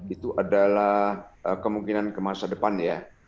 itu adalah kemungkinan ke masa depan ya